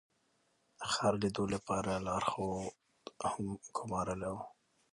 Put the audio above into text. د ښار لیدو لپاره لارښود هم ګمارلی و.